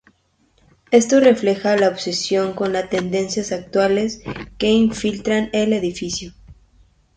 Esto refleja la obsesión con las tendencias actuales que infiltran el edificio.